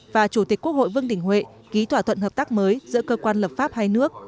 và chủ tịch quốc hội vương đình huệ ký thỏa thuận hợp tác mới giữa cơ quan lập pháp hai nước